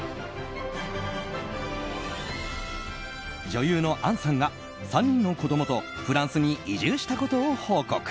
女優の杏さんが３人の子供とフランスに移住したことを報告。